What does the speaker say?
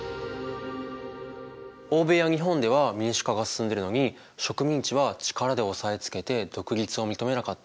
欧米や日本では民主化が進んでるのに植民地は力で押さえつけて独立を認めなかった。